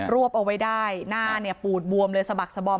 วบเอาไว้ได้หน้าเนี่ยปูดบวมเลยสะบักสบอม